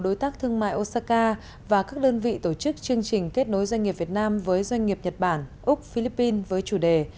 đối tác thương mại osaka và các đơn vị tổ chức chương trình kết nối doanh nghiệp việt nam với doanh nghiệp nhật bản úc philippines với chủ đề